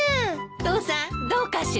父さんどうかしら？